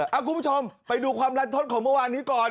เอาคุณผู้ชมไปดูความรัดทศของเมื่อวานนี้ก่อน